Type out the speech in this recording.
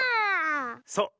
そう。